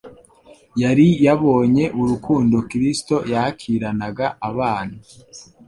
Yari yabonye urukundo Kristo yakiranaga abana,